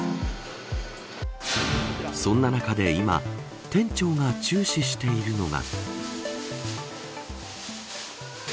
そんな中で今店長が注視しているのが。